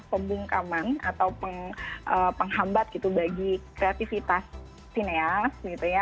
pembungkaman atau penghambat gitu bagi kreativitas sineas gitu ya